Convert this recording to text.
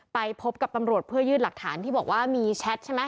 ไปพบกับตำรวจเพื่อยืดหลักฐานที่บอกว่ามีแชทใช่ไหม